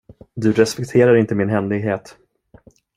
Du respekterar inte min händighet.